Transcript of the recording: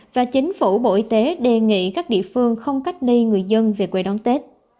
và chính phủ bộ y tế đề nghị các địa phương không cách ly người dân về quê đón tết